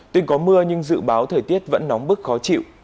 tuy có mưa nhưng dự báo thời tiết vẫn nóng bức khó chịu